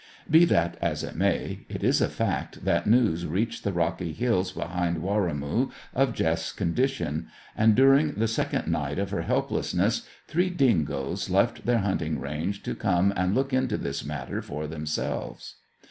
Be that as it may, it is a fact that news reached the rocky hills behind Warrimoo of Jess's condition, and during the second night of her helplessness three dingoes left their hunting range to come and look into this matter for themselves.